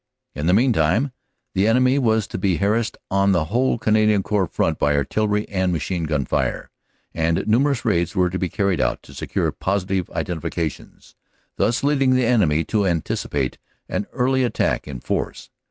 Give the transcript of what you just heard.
"In the meantime the enemy was to be harassed on the whole Canadian Corps front by Artillery and Machine Gun fire, and numerous raids were to be carried out to secure posi tive identifications (thus leading the enemy to anticipate an early attack in force).